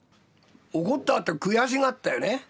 怒ったあと悔しがったよね。